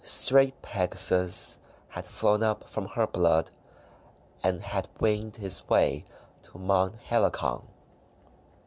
Straight Pegasus had flown up from her blood, and had winged his way to Mount Helicon.